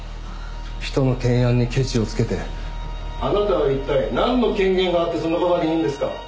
人の検案にケチをつけてあなたは一体なんの権限があってそんな事まで言うんですか。